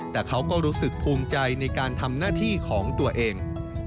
แต่เขาก็รู้สึกภูมิใจในการทำหน้าที่ของตัวเอง